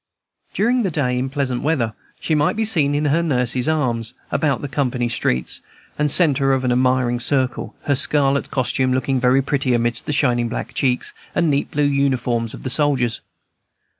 During the day, in pleasant weather, she might be seen in her nurse's arms, about the company streets, the centre of an admiring circle, her scarlet costume looking very pretty amidst the shining black cheeks and neat blue uniforms of the soldiers.